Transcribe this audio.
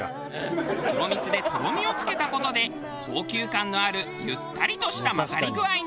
黒蜜でとろみをつけた事で高級感のあるゆったりとした混ざり具合に。